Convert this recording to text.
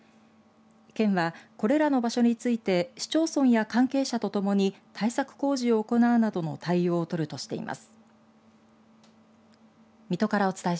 県は、これらの場所について市町村や関係者とともに対策工事を行うなどの対応を取るとしています。